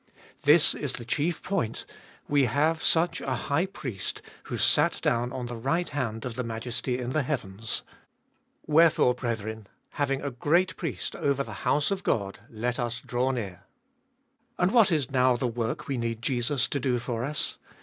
This is the chief point : we have such a High Priest, who sat down on the right hand of the majesty in the heavens. Wherefore, brethren, having a great Priest over the house of God, let us draw near. And what is now the work we need Jesus to do for us